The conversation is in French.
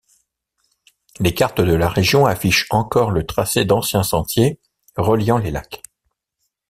Les cartes de la région affiche encore le tracé d'anciens sentiers reliant les lacs.